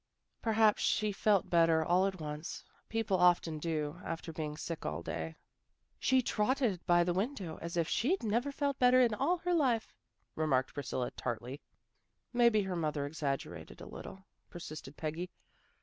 " Perhaps she felt better, all at once. People often do, after being sick all day." " She trotted by the window as if she'd never felt better in all her life," remarked Priscilla tartly. " Maybe her mother exaggerated a little," persisted Peggy.